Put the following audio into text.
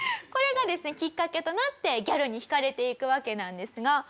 これがですねきっかけとなってギャルに引かれていくわけなんですが。